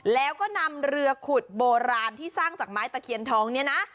แล้วก็นำเรือขุดโบราณที่สร้างจากไม้ตะเคียนทองเนี่ยนะ